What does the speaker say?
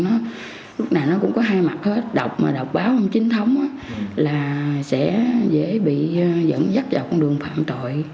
lúc này nó cũng có hai mặt hết độc mà đọc báo không chính thống là sẽ dễ bị dẫn dắt vào con đường phạm tội